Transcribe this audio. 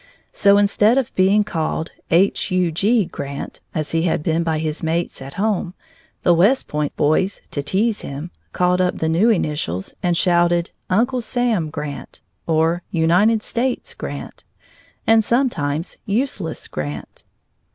So instead of being called H U G Grant (as he had been by his mates at home) the West Point boys, to tease him, caught up the new initials and shouted "Uncle Sam" Grant, or "United States" Grant and sometimes "Useless" Grant.